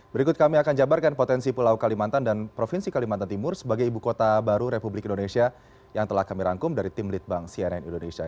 berikut kami akan jabarkan potensi pulau kalimantan dan provinsi kalimantan timur sebagai ibu kota baru republik indonesia yang telah kami rangkum dari tim litbang cnn indonesia